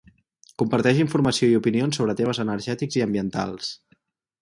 Comparteix informació i opinions sobre temes energètics i ambientals